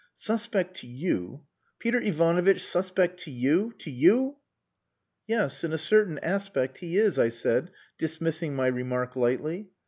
"Suspect to you! Peter Ivanovitch suspect to you! To you!..." "Yes, in a certain aspect he is," I said, dismissing my remark lightly.